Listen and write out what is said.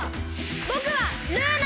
ぼくはルーナ！